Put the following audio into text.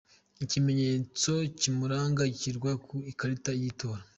Ikimenyetso kimuranga gishyirwa ku ikarita y’itora